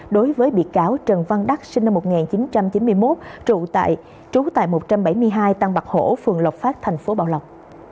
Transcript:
đối với bị cáo trần văn đắc sinh năm một nghìn chín trăm chín mươi một trụ tại một trăm bảy mươi hai tăng bạc hổ phường lộc phát thành phố bảo lộc